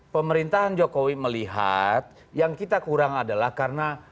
pemerintahan jokowi melihat yang kita kurang adalah karena